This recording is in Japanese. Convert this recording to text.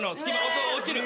そう落ちる。